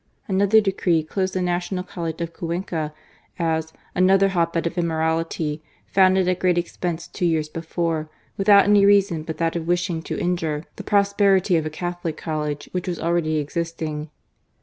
Another decree closed the National College of Cuenca, as another hot bed of immo rality, founded at great expense two years before, without any reason but that of wishing to injure the prosperity of a Catholic College which was already existing."